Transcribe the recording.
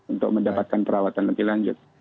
untuk mendapatkan perawatan lebih lanjut